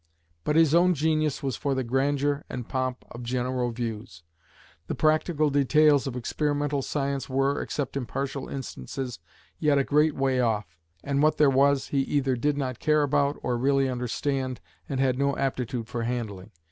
But his own genius was for the grandeur and pomp of general views. The practical details of experimental science were, except in partial instances, yet a great way off; and what there was, he either did not care about or really understand, and had no aptitude for handling.